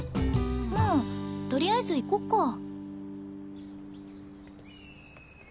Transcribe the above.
まあとりあえず行こっか。